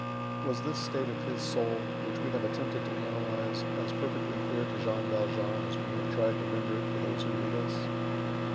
Was this state of his soul, which we have attempted to analyze, as perfectly clear to Jean Valjean as we have tried to render it for those who read us?